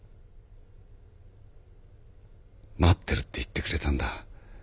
待ってるって言ってくれたんだ。